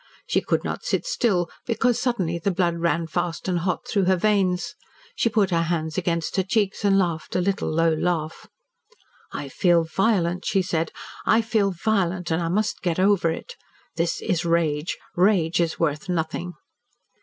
She could not sit still, because suddenly the blood ran fast and hot through her veins. She put her hands against her cheeks and laughed a little, low laugh. "I feel violent," she said. "I feel violent and I must get over it. This is rage. Rage is worth nothing."